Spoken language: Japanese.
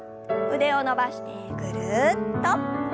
腕を伸ばしてぐるっと。